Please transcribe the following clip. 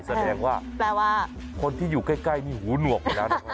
แสดงว่าคนที่อยู่ใกล้มีหูหหนวกมาและไง